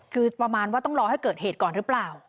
คือประมาณว่าต้องรอให้เกิดเหตุก่อนหรือเปล่า